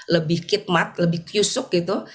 lebih khidmat lebih kyusuk gitu